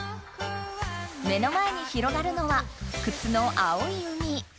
目の前に広がるのは福津の青い海